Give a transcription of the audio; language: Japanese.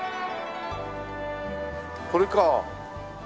これか。